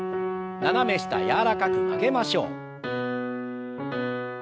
斜め下柔らかく曲げましょう。